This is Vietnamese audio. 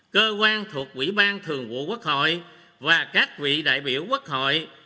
cơ quan thuộc quỹ ban thường vụ quốc hội và các vị đại biểu quốc hội